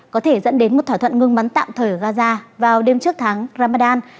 có thể dẫn đến một thỏa thuận ngừng bắn tạm thời ở gaza vào đêm trước tháng ramadan